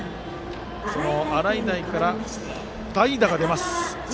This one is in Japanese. その洗平から代打が出ます。